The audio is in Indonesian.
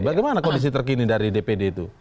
bagaimana kondisi terkini dari dpd itu